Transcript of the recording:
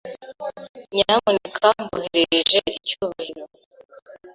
Nyamuneka mboherereje icyubahiro.